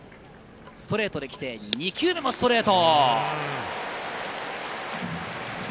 ストレートで来て２球目もストレート。